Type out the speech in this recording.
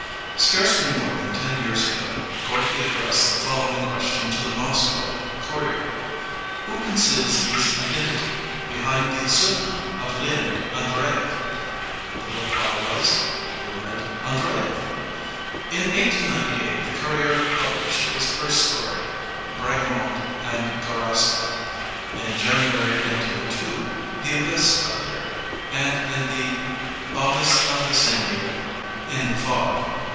Scarcely more than ten j years ago Gorky addressed the following ! question to the Moscow Courier: "Who conceals his identity behind the pseadonym of Leonid Andreyev!" The reply was: "Leonid Andreyev.*' In 1898 the Courier pnblished his first story, Bragamot and Garaska. In January, 1902,tiie Abyss appeared, and in Angrnst of the same year, In the Fog.